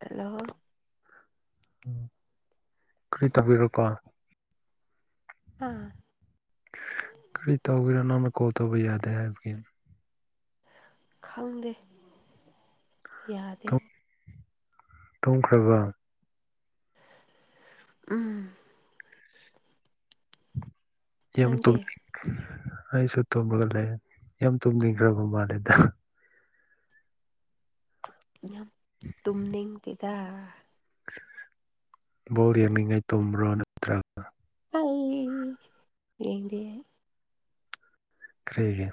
Hello ꯎꯝ ꯀꯔꯤ ꯇꯧꯕꯤꯔꯣꯀꯣ ꯍꯥ ꯀꯔꯤ ꯇꯧꯒꯦꯔꯣ ꯅꯪꯅ ꯀꯣꯜ ꯇꯧꯕ ꯌꯥꯗꯦ ꯍꯥꯏꯕꯒꯤ ꯈꯪꯗꯦ ꯌꯥꯗꯦ ꯇꯨꯝꯈꯔ꯭ꯕ ꯎꯝ ꯌꯥꯝ ꯅꯪꯗꯤ ꯇꯨꯝꯅꯤꯡ ꯑꯩꯁꯨ ꯇꯨꯝꯃꯒ ꯂꯩ ꯌꯥꯝ ꯇꯨꯝꯅꯤꯡꯈ꯭ꯔꯕ ꯃꯥꯜꯂꯦꯗ ꯌꯥꯝ ꯇꯨꯝꯅꯤꯡꯗꯦꯗ ꯕꯣꯜ ꯌꯦꯅꯤꯡꯉꯥꯏ ꯇꯨꯝꯕ꯭ꯔꯣ ꯅꯠꯇ꯭ꯔ ꯑꯩ ꯌꯦꯡꯗꯦ ꯀꯔꯤꯒꯤ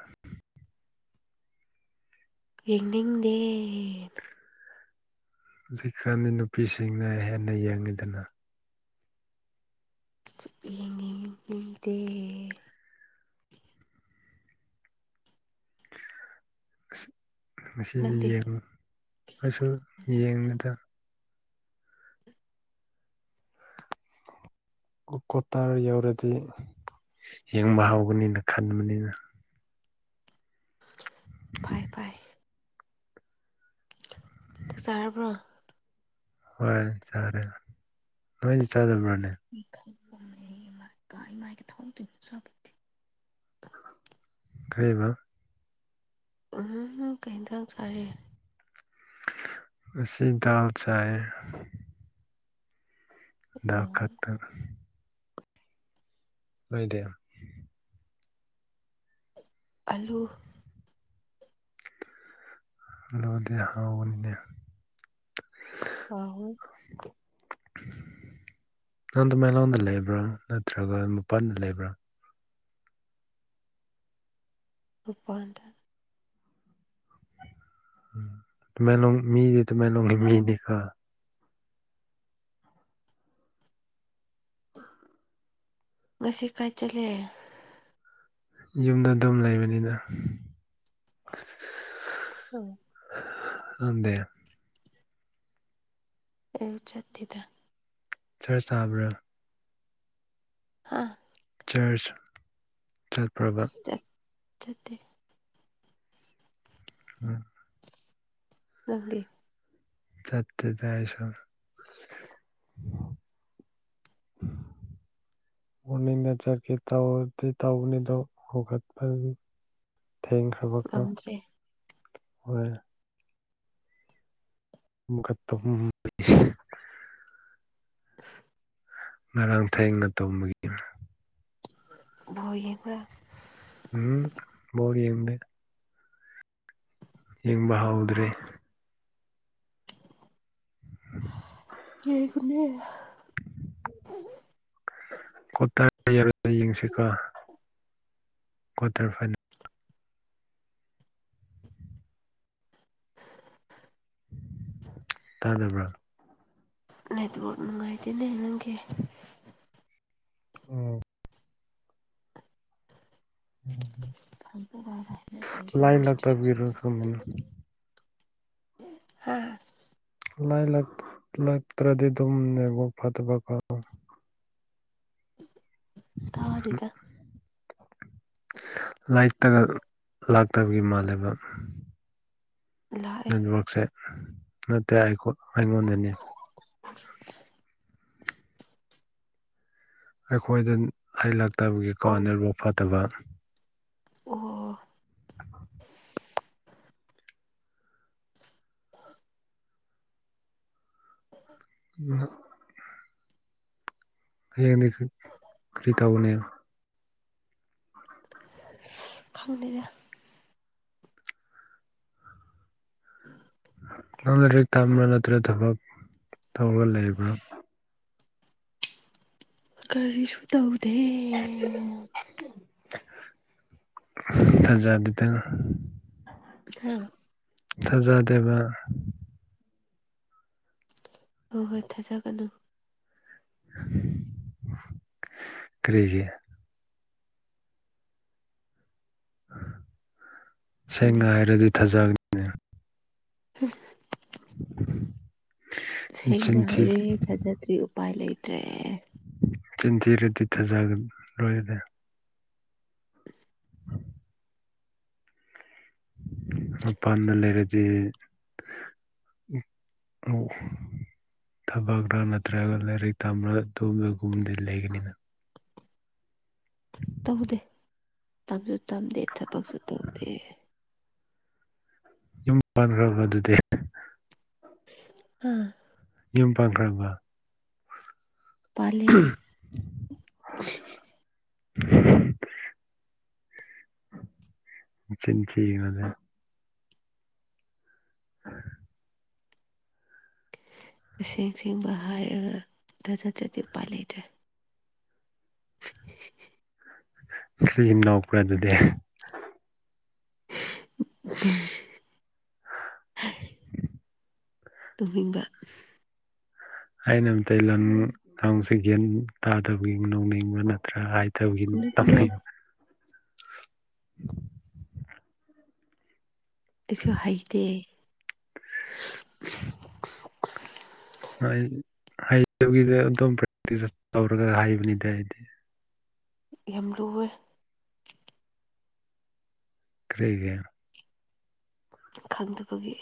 ꯌꯦꯡꯅꯤꯡꯗꯦ ꯍꯧꯖꯤꯛꯀꯥꯟꯗꯤ ꯅꯨꯄꯤꯁꯤꯡꯅ ꯍꯦꯟꯅ ꯌꯦꯡꯉꯤꯗꯅ ꯁꯨꯛꯌꯦꯡ ꯌꯦꯡꯅꯤꯡꯗꯦ ꯉꯁꯤꯗꯤ ꯅꯪꯗꯤ ꯌꯦꯡꯉꯨ ꯑꯩꯁꯨ ꯌꯦꯡꯅꯦꯗꯥ ꯀꯨ ꯀꯋꯥꯇꯥꯔ ꯌꯧꯔꯗꯤ ꯌꯦꯡꯕ ꯍꯥꯎꯒꯅꯤꯅ ꯈꯟꯕꯅꯤꯅ ꯐꯥꯏ ꯐꯥꯏ ꯆꯥꯛ ꯆꯥꯔꯕ꯭ꯔꯣ꯫ ꯍꯣꯏ ꯆꯥꯔꯦ ꯅꯣꯏꯗꯤ ꯆꯥꯗꯕ꯭ꯔꯥꯅꯦ꯫ [unintelligible] ꯀꯩꯕ꯫ ꯎꯝ ꯀꯩ ꯍꯦꯟꯖꯥꯡ ꯆꯥꯏꯌꯦ꯫ ꯉꯁꯤ ꯗꯥꯜ ꯆꯥꯏꯌꯦ꯫ ꯗꯥꯜ ꯈꯛꯇ꯫ ꯅꯣꯏꯗꯤ꯫ ꯑꯜꯂꯨ꯫ ꯑꯜꯂꯨꯗꯤ ꯍꯥꯎꯕꯅꯤꯅꯦ꯫ ꯍꯥꯎꯋꯤ꯫ [unintelligible] ꯅꯪꯗꯨ ꯇꯃꯦꯡꯂꯣꯡꯗ ꯂꯩꯕ꯭ꯔꯥ ꯅꯠꯇ꯭ꯔꯒ ꯃꯄꯥꯥꯟꯗ ꯂꯩꯕ꯭ꯔꯥ꯫ ꯃꯄꯥꯟꯗ꯫ ꯎꯝ ꯇꯃꯦꯡꯂꯣꯡ ꯃꯤꯗꯤ ꯇꯃꯦꯡꯂꯣꯡꯒꯤ ꯃꯤꯅꯤꯀꯣ꯫ ꯉꯁꯤ ꯀꯥꯏ ꯆꯠꯂꯤ꯫ ꯌꯨꯝꯗ ꯑꯗꯨꯝ ꯂꯩꯕꯅꯤꯅ꯫ ꯎꯝ꯫ ꯅꯪꯗꯤ꯫ ꯑꯩꯖꯨ ꯆꯠꯇꯦꯗ꯫ ꯆꯥꯔꯁ ꯆꯥꯕ꯭ꯔꯥ꯫ ꯍꯥꯥ꯫ ꯆꯥꯔꯁ ꯆꯠꯄ꯭ꯔꯕ꯫ ꯆꯠ ꯆꯠꯇꯦ꯫ ꯎꯝ꯫ ꯅꯪꯗꯤ꯫ ꯆꯠꯇꯦꯗ ꯑꯩꯁꯨ꯫ [inaudible] ꯃꯣꯔꯅꯤꯡꯗ ꯆꯠꯀꯦ ꯇꯧꯗꯤ ꯇꯧꯕꯅꯤꯗꯣ ꯍꯧꯒꯠꯄꯒꯤ ꯊꯦꯡꯈ꯭ꯔꯕꯀꯣ ꯉꯝꯗ꯭ꯔꯦ ꯍꯣꯏ꯫ ꯑꯃꯨꯛꯀ ꯇꯨꯝ [unintelligible] ꯑ ꯉꯔꯥꯡ ꯊꯦꯡꯅ ꯇꯨꯝꯕꯒꯤ꯫ [unintelligible] ꯕꯣꯜ ꯌꯦꯡꯕ꯭ꯔꯥ꯫ ꯎꯝ ꯕꯣꯜ ꯌꯦꯡꯗꯦ꯫ ꯌꯦꯡꯕ ꯍꯧꯗ꯭ꯔꯤ꯫ ꯌꯦꯡ ꯈꯨꯅꯤ꯫ ꯀ꯭ꯋꯥꯇꯔ [unintelligible] ꯌꯥꯔꯣꯏ ꯌꯦꯡꯁꯤꯀꯣ ꯀ꯭ꯋꯥꯇꯔ ꯐꯥꯏꯅꯦ ꯇꯥꯗꯕ꯭ꯔꯥ꯫ ꯅꯦꯠꯋꯥꯛ ꯅꯨꯡꯉꯥꯏꯇꯦꯅꯦ ꯅꯪꯒꯤ꯫ ꯎꯝ꯫ ꯂꯥꯏꯟ ꯂꯥꯛꯇꯕꯒꯤꯔ ꯈꯪꯗꯦꯅꯦ [unintelligible] ꯍꯥ꯫ ꯂꯥꯏꯂꯥꯛ ꯂꯛꯇ꯭ꯔꯗꯤ ꯑꯗꯨꯝ ꯅꯦꯠꯋꯥꯛ ꯐꯠꯇꯕꯀꯣ꯫ ꯍꯨꯝ꯫ ꯇꯥꯗꯦꯗ ꯂꯥꯏ ꯇꯒ ꯂꯥꯛꯇꯕꯒꯤ ꯃꯥꯜꯂꯦꯕ ꯂꯥꯛꯑꯦ ꯅꯦꯠꯋ꯭ꯔꯛꯁꯦ ꯅꯠꯇꯦ ꯑꯩ ꯑꯩꯉꯣꯟꯗꯅꯤ ꯑꯩꯈꯣꯏꯗ ꯍꯩ ꯂꯥꯛꯇꯕꯒꯤ ꯀꯣ ꯑꯣꯟ ꯅꯦꯠꯋꯥꯛ ꯐꯠꯇꯕ ꯑꯣ ꯑꯥ [unintelligible] [unintelligible] [unintelligible] ꯍꯌ‌ꯦꯡꯗꯤ ꯈ꯭ꯔꯤ ꯇꯧꯒꯅ‌ꯤ ꯈꯪꯗ‌ꯦꯗ ꯅꯪ ꯂꯥꯏꯔꯤꯛ ꯇꯝꯕ꯭ꯔꯥ ꯅꯠꯇ꯭ꯔꯒ ꯊꯕꯛ ꯇꯧꯔꯒ ꯂꯩꯕ꯭ꯔꯥ ꯀꯔꯤꯁꯨꯨ ꯇꯧꯗꯦ ꯊꯖꯥꯗ‌ꯦꯗ [unintelligible] ꯊꯖꯥꯗꯦꯕ ꯍꯣꯏ ꯍꯣꯏ ꯊꯥꯖꯒꯅꯨ ꯀꯔꯤꯒꯤ ꯈꯪꯗꯦ ꯁꯦꯡꯅ ꯍꯥꯏꯔꯗꯤ ꯊꯥꯖꯅꯦ ꯍꯝ [unintelligible] ꯁꯦꯡꯅ ꯆꯤꯟ ꯊꯤ ꯍꯥꯏꯔꯦ ꯊꯤꯖꯗ꯭ꯔ‌ꯦ ꯎꯄꯥꯏ ꯂꯩꯇ꯭ꯔꯦ ꯆꯤꯟꯊꯤꯔꯗꯤ ꯊꯥꯖꯒ ꯂꯣꯏꯅ‌ꯦ [unintelligible] ꯃꯄꯥꯟꯗ ꯂꯩꯔꯗꯤ ꯎꯝ ꯑꯣ ꯊꯕꯛꯔꯥ ꯅꯠꯇ꯭ꯔꯒ ꯂꯥꯏꯔꯤꯛ ꯇꯝꯔ ꯑꯗꯨꯒꯨꯝꯕꯗꯤ ꯂꯩꯒꯅꯤꯅ‌ ꯇꯧꯗꯦ ꯇꯝꯁꯨ ꯇꯝꯗꯦ ꯊꯕꯛꯁꯨ ꯇꯧꯗꯦ ꯌꯨꯝ ꯄꯟꯈ꯭ꯔꯕ ꯑꯗꯨꯗꯤ ꯑꯥ ꯌꯨꯝ ꯄꯥꯡꯈ꯭ꯔꯕ ꯄꯥꯜꯂꯦ [unintelligible] ꯆꯤꯟ ꯊꯤꯒꯅꯨꯗ [unintelligible] ꯑꯁꯦꯡ ꯁꯦꯡꯕ ꯍꯥꯏꯔꯒ ꯊꯖꯗꯗꯤ ꯎꯄꯥꯥꯏ ꯂꯩꯇ꯭ꯔꯦ ꯀꯔꯤ ꯅꫭꯛꯄ꯭ꯔꯥ ꯑꯗꯨꯗꯤ [unintelligible] ꯇꯨꯝꯅꯤꯡꯕ ꯑꯩꯅ ꯑꯝꯇꯩ ꯂꯪ ꯈꯁ ꯒ꯭ꯌꯥꯟ ꯇꯥꯗꯕꯩ ꯅꯣꯛꯅꯤꯡꯕ ꯅꯠꯇ꯭ꯔꯥ ꯍꯥꯏ ꯇꯧꯒꯤꯟ ꯅꯠꯇꯤꯌꯦ ꯇꯧꯅꯤ ꯑꯩꯁꯨ ꯍꯩꯇꯦ ꯎꯝ ꯍꫭꯏ ꯍꯩꯕꯒꯤꯗ ꯑꯗꯨꯝ ꯄ꯭ꯔꯦꯛꯇꯤꯁ ꯇꯧꯔꯒ ꯍꯩꯕꯅꯤꯗ ꯍꯥꯏꯗꯤ ꯌꯥꯝ ꯂꯨꯋꯦ ꯀꯔꯤꯒꯤ ꯈꯪꯗꯕꯒꯤ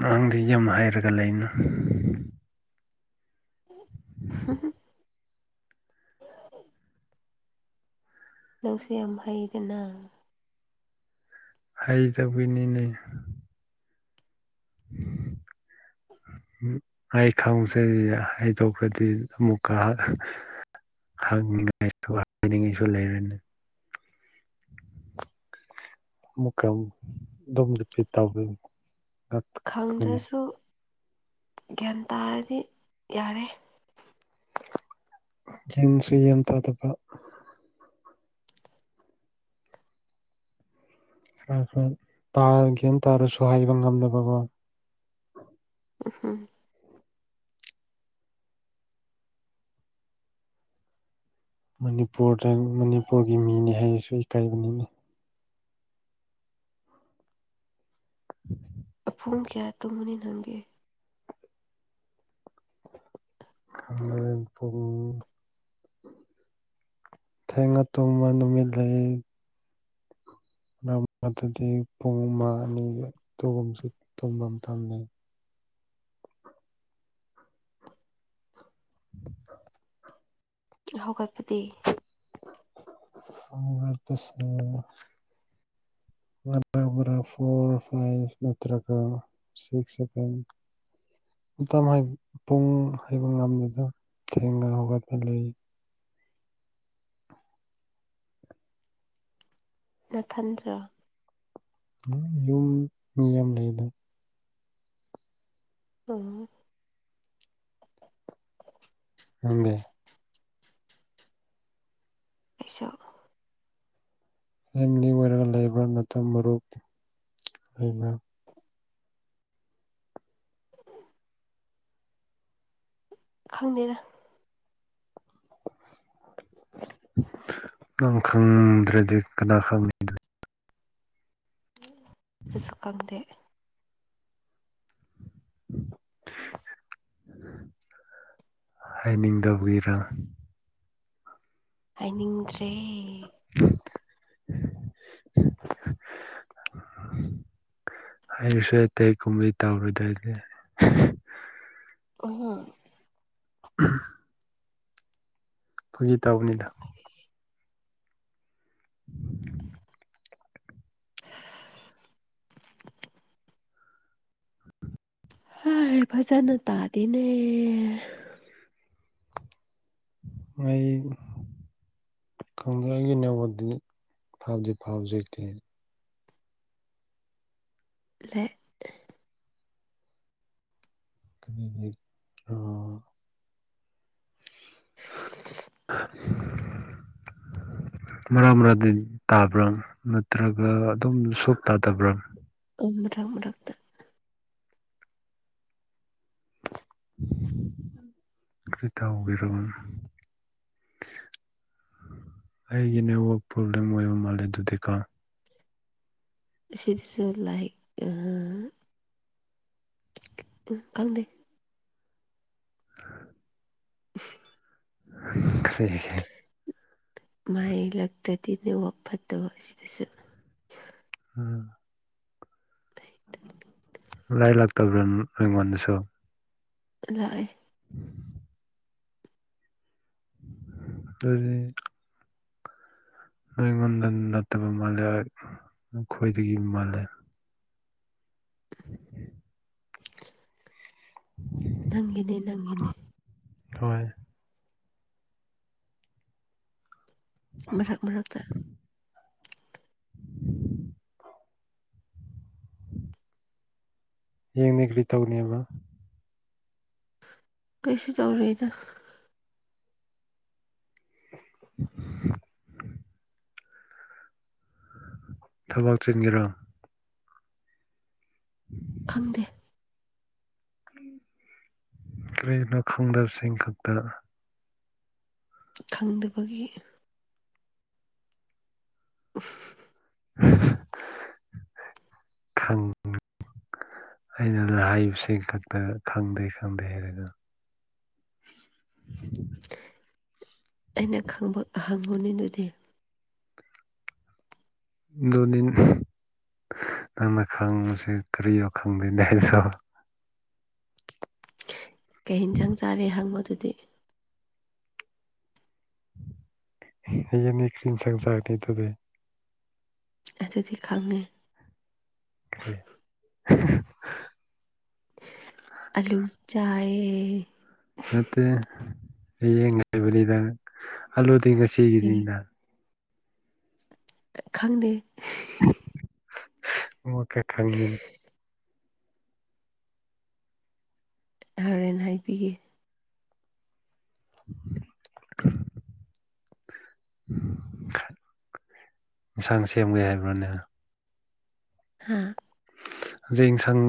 ꯅꯪꯗꯤ ꯌꯨꯝ ꯍꯥꯢꯔꯒ ꯂꯩꯅ [unintelligible] ꯅꯪꯁꯨ ꯌꯥꯝ ꯍꯩꯗꯅ ꯍꯩꯇꯕꯩꯅꯤꯅꯦ [unintelligible] ꯑꯩ ꯈꯪꯕꯁꯤ ꯍꯥꯏꯗꯣꯛꯄꯗꯤ ꯑꯃꯨꯛꯀ ꯍꯥꯏꯅꯤꯡꯉꯥꯏꯁꯨ ꯍꯥꯏꯅꯤꯡꯉꯥꯏꯁꯨ ꯂꯩꯔꫭꯏꯅ‌ꯦ ꯑꯃꯨꯛꯀ ꯑꯗꯨꯝ ꯇꯧꯗꯣꯏꯅꯣ ꯈꯪꯗ꯭ꯔꯁꯨ ꯒ꯭ꯌꯥꯟ ꯇꯥꯔꯗꯤ ꯌꯥꯔꯦ ꯒꯌ꯭ꯥꯟꯁꯨ ꯌꯥꯝ ꯇꯥꯗꯕ ꯍꯣꯏ ꯍꯣꯏ ꯒꯌ꯭ꯥꯟ ꯇꯥꯔꯁꯨ ꯍꯥꯏꯕ ꯉꯝꯗꯕꯀꯣ ꯎꯝ ꯍꯝ ꯃꯅꯤꯄꯨꯔꯗ ꯃꯅꯤꯄꯨꯔꯒꯤ ꯃꯤꯅꯤ ꯍꯥꯏꯕꯁꯨ ꯏꯀꯥꯏꯕꯅꯤꯅꯦ ꯄꯨꯡ ꯀꯌꯥ ꯇꯨꯝꯃꯅꯤ ꯅꯪꯗꯤ ꯑꯩ ꯄꯨꯡ ꯊꯦꯡꯅ ꯇꯨꯝꯕ ꯅꯨꯃꯤꯠ ꯂꯩ ꯃꯔꯛ ꯃꯔꯛꯇꯗꯤ ꯄꯨꯡ ꯑꯃ ꯑꯅꯤꯒ ꯇꯨꯝꯕ ꯃꯇꯝꯁꯨ ꯂꯩ [inaudible] ꯍꯧꯒꯠꯄꯗꯤ ꯍꯧꯒꯠꯄꯁꯦ ꯍꯧꯒꯠꯄꯅ ꯐꯣꯔ ꯐꯥꯏꯚ ꯅꯠꯇ꯭ꯔꯒ ꯁꯤꯛꯁ ꯁꯕꯦꯟ ꯃꯇꯝ ꯄꯨꯡ ꯍꯥꯏꯕ ꯉꯝꯗꯦꯗ ꯊꯦꯡꯅ ꯍꯧꯒꯠꯄ ꯂꯩ ꯅꯊꯟꯗ꯭ꯔ ꯎꯝ ꯌꯨꯝ ꯃꯤ ꯌꯥꯝ ꯂꯩꯗ ꯑꯣ ꯅꯪꯗꯤ ꯑꯩꯁꯨ ꯐꯦꯃꯤꯂꯤ ꯑꯣꯏꯔꯒ ꯂꯩꯕꯔ ꯅꯠꯇꯔꯒ ꯃꯔꯨꯞ ꯂꯩꯕꯔ ꯈꯪꯗꯦꯗ ꯅꯪ ꯈꯪꯗ꯭ꯔꯗꯤ ꯀꯅꯥ ꯈꯪꯅꯤ ꯑꯗꯨꯗꯤ ꯑꯗꯨꯁꯨ ꯈꯪꯗꯦ ꯎꯝ ꯍꯥꯏꯅꯤꯡꯗꯕꯒꯤꯔ ꯍꯥꯏꯅꯤꯡꯗ꯭ꯔꯦ [unintelligible] ꯍꯥꯏꯔꯁꯨ ꯑꯇꯩꯒꯨꯝꯅ ꯇꯧꯔꯣꯏꯗ ꯑꯩꯗꯤ ꯑꯣ [unintelligible] ꯐꯥꯒꯤ ꯇꯧꯕꯅꯤꯗ [unintelligible] [unintelligible] [unintelligible] ꯍꯥꯏ ꯐꯖꯅ ꯇꯥꯗꯦꯅꯦ ꯋꯥꯏꯕ ꯈꯪꯗꯦ ꯑꯩꯒꯤ ꯅꯦꯠꯋꯥꯔꯛꯇꯗꯤ ꯐꯥꯏꯚꯖꯤ ꯐꯥꯏꯚꯖꯤ ꯂꯦ ꯀꯔꯤꯒꯤ ꯔ‌ꯣ [unintelligible] [unintelligible] ꯃꯔꯛ ꯃꯔꯛꯗꯤ ꯇꯥꯕ꯭ꯔꯥ ꯅꯠꯇ꯭ꯔꯒ ꯑꯗꯨꯝ ꯁꯨꯞ ꯇꯥꯗꯕ꯭ꯔꯥ [unintelligible] ꯔꯛꯇ ꯀꯔꯤ ꯇꯥꯎꯒ‌ꯦꯔ‌ꯣ ꯑꯩꯒꯤ ꯅꯦꯠꯋꯥꯛ ꯄ꯭ꯔꯣꯕꯂꯦꯝ ꯑꯣꯏꯕ ꯃꯥꯜꯂ‌ꯦ ꯗꯨꯗꯤꯀ‌ꯣ ꯁꯤꯠꯁꯨ ꯂꯥꯏꯛ ꯑꯥ ꯑ ꯈꯪꯗꯦ [unintelligible] [unintelligible] ꯀꯔꯤꯒꯤ ꯃꯍꯩ ꯂꯛꯇꯗꯤ ꯅꯦꯋꯥꯛ ꯐꯠꯇꯕ ꯁꯤꯗꯁꯨ ꯑ ꯂꯥꯏ ꯂꯥꯛꯇꯕ꯭ꯔꯥ ꯅ ꯑꯩꯉꯣꯟꯗꯁꯨ ꯂꯥꯑꯦ [unintelligible] ꯅꯪꯉꯣꯟꯗ ꯅꯠꯇꯕ ꯃꯥꯜꯂꯦ ꯑꯈꯣꯏꯗꯒꯤ ꯃꯥꯜꯂꯦ ꯎꯝ ꯎ ꯅꯪꯒꯤꯅꯦ ꯅꯪꯒꯤꯅ‌ꯦ ꯍꯣꯏ ꯃꯔꯛ ꯃꯔꯛꯇ ꯍꯌꯦꯡꯗꯤ ꯀ꯭ꯔꯤ ꯇꯧꯅꯦꯕ ꯀꯩꯁꯨ ꯇꯧꯔꯣꯏꯗ [unintelligible] ꯊꯕꯛ ꯆꯤꯟꯒ‌ꯦꯔꯣ ꯎꯝ ꯈꯪꯗꯦ ꯀꯔꯤꯒꯤꯅꯣ ꯈꯪꯗꯕꯁꯤꯡ ꯈꯛꯇ ꯈꯪꯗꯕꯒꯤ ꯑꯣꯐ ꯈꯪ [inaudible] ꯑꯩꯅ ꯂꯥꯏꯕꯁꯤꯡ ꯈꯛꯇ ꯈꯪꯗꯦ ꯈꯪꯗꯦ ꯍꯥꯏꯔꯒ ꯑꯩꯅ ꯈꯪꯕ ꯑꯍꯪꯕ [unintelligible] ꯗꯨꯗꯤ ꯗꯨ [unintelligible] ꯅꯪꯅ ꯈꯥꯡꯕꯁꯦ ꯀꯔꯤꯅ‌ꯣ ꯈꯪꯗꯦꯅꯦ ꯑꯩꯁꯨ ꯀꯩ ꯏꯟꯁꯥꯡ ꯆꯥꯔꯦ ꯍꯪꯎ ꯗꯨꯗꯤ ꯍ ꯍꯌ‌ꯦꯡꯗꯤ ꯀꯔꯤ ꯏꯟꯁꯥꯡ ꯆꯥ [unintelligible] ꯅꯤ ꯗꯨꯗꯤ ꯑꯗꯨꯗꯤ ꯈꯪꯉ‌ꯦ ꯀꯔꯤ ꯑꯂꯨ ꯆꯥꯏ ꯅꯠꯇꯦ ꯍꯌꯦꯡ ꯍꯥꯏꯕꯅꯤꯗ ꯑꯜꯂꯨꯗꯤ ꯉꯁꯤꯒꯤꯅꯤꯗꯅ ꯈꯪꯗꯦ [unintelligible] ꯈꯪꯃꯤꯟ ꯍꯔꯦꯟ ꯍꯥꯏꯄꯤꯒꯦ [unintelligible] ꯈꯠ ꯏꯟꯁꯥꯡ ꯁꯦꯝꯒꯦ ꯍꯥꯏꯕ꯭ꯔꯥꯅꯦ ꯍꯥꯥ ꯈꯧꯖꯤꯛ ꯏꯟꯁꯡ